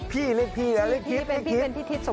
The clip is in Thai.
พี่เรียกพี่แล้วเรียกทิศ